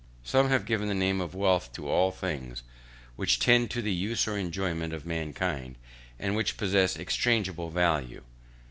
Some have given the name of wealth to all things which tend to the use or enjoyment of mankind, and which possess exchangeable value.